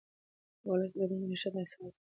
د ولس ګډون د مشروعیت اساس دی